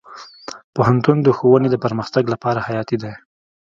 پوهنتون د ښوونې د پرمختګ لپاره حیاتي دی.